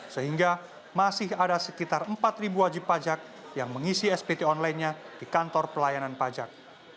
sehingga masih ada sekitar empat wajib pajak yang mengisi spt online nya di kantor pelayanan pajak